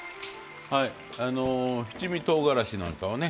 七味とうがらしなんかをね